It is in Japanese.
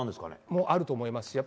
それもあると思います。